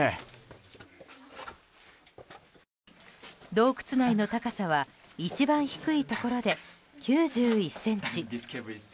洞窟内の高さは一番低いところで９１ｃｍ。